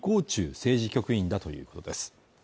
政治局員だということです